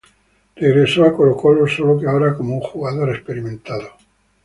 Regresó a Colo-Colo, sólo que ahora como un jugador experimentado.